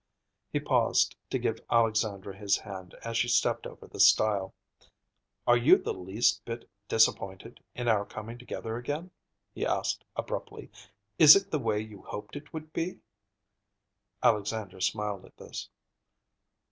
He paused to give Alexandra his hand as she stepped over the stile. "Are you the least bit disappointed in our coming together again?" he asked abruptly. "Is it the way you hoped it would be?" Alexandra smiled at this.